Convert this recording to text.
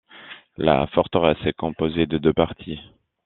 La forteresse est composée de deux parties.